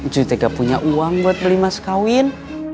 cuy aku gak punya uang buat beli mas kawin